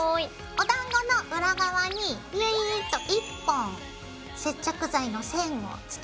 おだんごの裏側にビーッと１本接着剤の線をつけます。